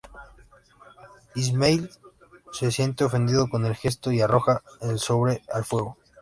İsmail se siente ofendido con el gesto y arroja el sobre al fuego.